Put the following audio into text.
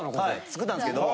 造ったんですけど。